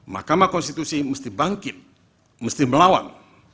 mahkamah konstitusi mesti bangkit mesti melawan